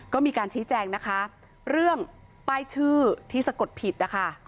ก็มีการชี้แจงนะคะเรื่องป้ายชื่อที่สะกดผิดนะคะ